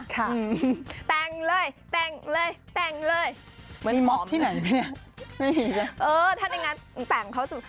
กลับเชียย์เยอะแน่ะ